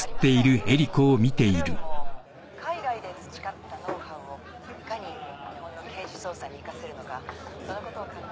それよりも海外で培ったノウハウをいかに日本の刑事捜査に生かせるのかそのことを考え。